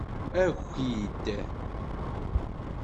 Aki-d!